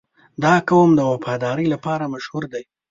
• دا قوم د وفادارۍ لپاره مشهور دی.